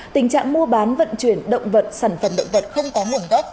tình trạng mua bán vận chuyển động vật sản phẩm động vật không có nguồn gốc